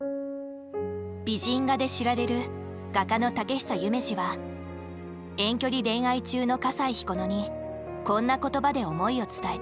美人画で知られる画家の遠距離恋愛中の笠井彦乃にこんな言葉で思いを伝えた。